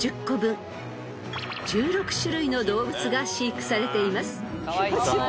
［１６種類の動物が飼育されています］